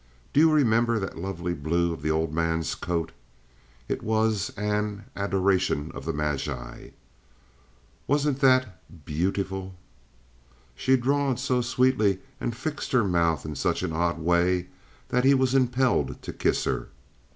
"Do you remember that lovely blue of the old man's coat?" (It was an "Adoration of the Magi.") "Wasn't that be yoot i ful?" She drawled so sweetly and fixed her mouth in such an odd way that he was impelled to kiss her.